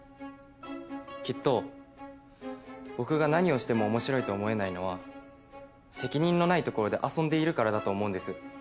きっと僕が何をしても面白いと思えないのは責任のないところで遊んでいるからだと思うんです。